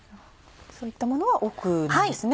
そういったものは奥なんですね。